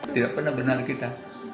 tidak pernah benar kita